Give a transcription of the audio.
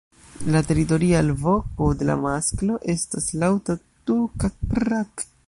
La teritoria alvoko de la masklo estas laŭta "tuuk-a-prrak".